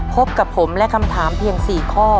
พบกับผมและคำถามเพียง๔ข้อ